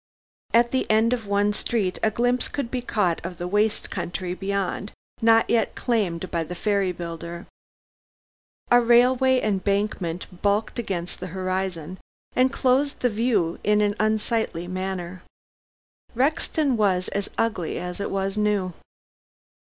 At the end of one street a glimpse could be caught of the waste country beyond, not yet claimed by the ferry builder. A railway embankment bulked against the horizon, and closed the view in an unsightly manner. Rexton was as ugly as it was new.